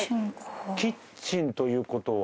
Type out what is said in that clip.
キッチンということは。